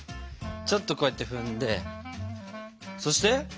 ちょっとこうやって踏んでそして？